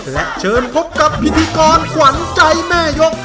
และเชิญพบกับพิธีกรขวัญใจแม่ยก